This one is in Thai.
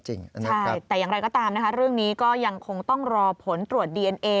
ใช่แต่อย่างไรก็ตามนะคะเรื่องนี้ก็ยังคงต้องรอผลตรวจดีเอนเอ